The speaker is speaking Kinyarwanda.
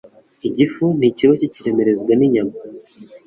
Igifu ntikiba kikiremerezwa n’inyama,